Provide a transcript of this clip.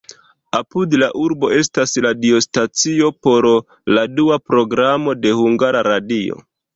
Apud la urbo estas radiostacio por la dua programo de Hungara Radio.